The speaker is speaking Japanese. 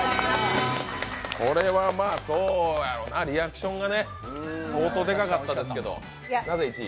これはまあそうやろな、リアクションが相当でかかったですけど、なぜ１位？